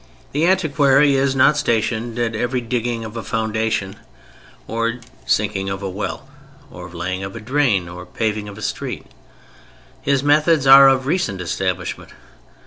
The antiquary is not stationed at every digging of a foundation, or sinking of a well, or laying of a drain, or paving of a street. His methods are of recent establishment.